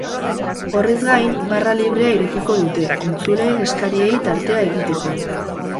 Horrez gain, barra librea irekiko dute, entzuleen eskariei tartea egiteko.